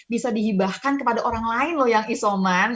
bisa dihibahkan kepada orang lain loh yang isoman